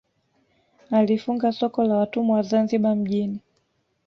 Alifunga soko la watumwa Zanzibar mjini